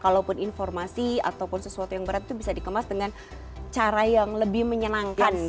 kalaupun informasi ataupun sesuatu yang berat itu bisa dikemas dengan cara yang lebih menyenangkan gitu